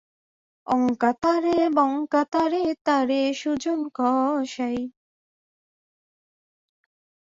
অঙ্কা তারে, বঙ্কা তারে, তারে সুজন কসাই।